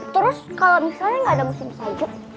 terus kalau misalnya gak ada musim salju